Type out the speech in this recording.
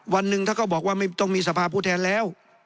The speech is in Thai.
วันหนึ่งถ้าเขาบอกว่าไม่ต้องมีสภาพผู้แทนแล้ว